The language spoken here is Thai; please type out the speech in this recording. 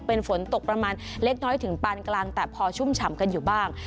เป็นฝนตกประมาณเล็กน้อยถึงปานกลางแต่พอชุ่มฉ่ำกันอยู่บ้าง